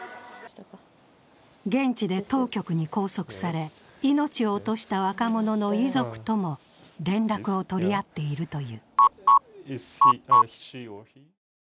現地で当局に拘束され、命を落とした若者の遺族とも連絡を取り合っているという。